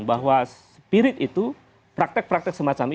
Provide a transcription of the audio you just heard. karena spirit itu praktek praktek semacam itu